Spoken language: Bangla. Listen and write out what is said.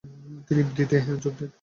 তিনি ব্রিতে যোগ দেন।